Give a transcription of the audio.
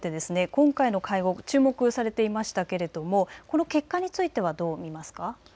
今回の会合、注目されていましたけれどもこの結果についてはどう見ますか。